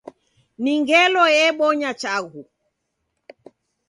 Ni ngelo ebonya chaghu.